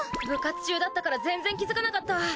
部活中だったから全然気付かなかった。